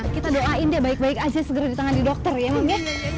kita doain deh baik baik aja segera ditanganin dokter ya mami